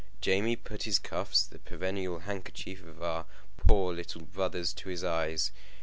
Jamie put his cuffs, the perennial handkerchief of our poor little brothers, to his eyes.